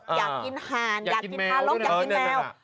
อยากกินห่านอยากกินทารกอยากกินแมว